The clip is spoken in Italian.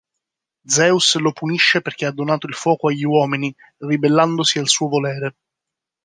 Zeus lo punisce perché ha donato il fuoco agli uomini, ribellandosi al suo volere.